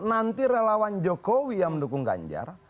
nanti relawan jokowi yang mendukung ganjar